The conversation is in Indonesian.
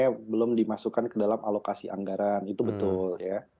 yang belum dimasukkan ke dalam alokasi anggaran itu betul ya